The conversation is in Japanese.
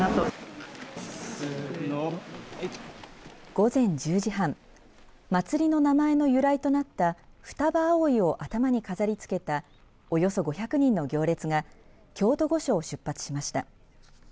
午前１０時半祭りの名前の由来となった双葉葵を頭に飾りつけたおよそ５００人の行列が京都御所を出発しました。